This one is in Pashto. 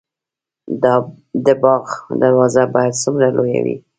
د باغ دروازه باید څومره لویه وي؟